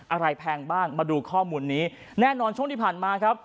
แพงบ้างมาดูข้อมูลนี้แน่นอนช่วงที่ผ่านมาครับ